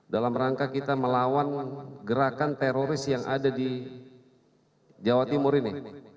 dalam rangka kita melawan gerakan teroris yang ada di jawa timur ini